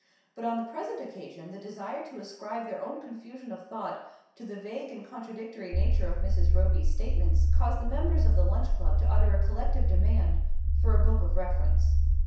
But on the present occasion the desire to ascribe their own confusion of thought to the vague and contradictory nature of Mrs. Roby's statements caused the members of the Lunch Club to utter a collective demand for a book of reference.